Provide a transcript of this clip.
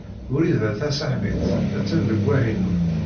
Wrida Tasaḥlit a-tt-an deg Wahinun.